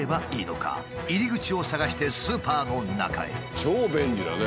入り口を探してスーパーの中へ。